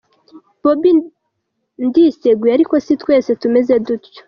“Bobi, ndiseguye ariko si twese tumeze dutyo.